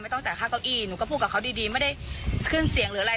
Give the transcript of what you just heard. ต้องจ่ายค่าเก้าอี้หนูก็พูดกับเขาดีดีไม่ได้ขึ้นเสียงหรืออะไร